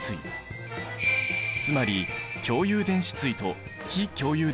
つまり共有電子対と非共有